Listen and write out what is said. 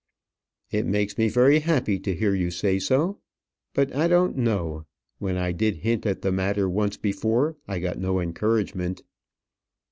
"It makes me very happy to hear you say so. But I don't know. When I did hint at the matter once before, I got no encouragement."